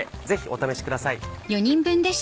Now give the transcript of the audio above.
ぜひお試しください。